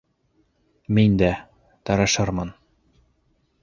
Мин дә... тырышырмын.